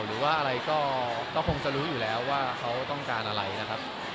หรือว่าอะไรก็คงจะรู้อยู่แล้วว่าเขาต้องการอะไรนะครับ